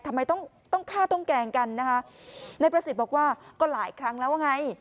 ทำไมต้องต้องฆ่าต้องแกล้งกันนะคะนายประสิทธิ์บอกว่าก็หลายครั้งแล้วว่าไง